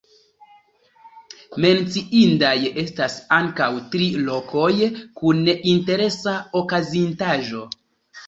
Menciindaj estas ankaŭ tri lokoj kun interesa okazintaĵo.